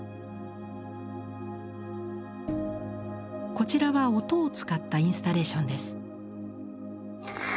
こちらは音を使ったインスタレーションです。